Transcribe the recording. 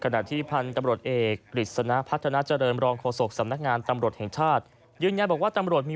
ในช่วงงานพระราชเทพี